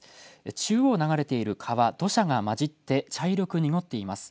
中央を流れている川、土砂が混じって茶色く濁っています。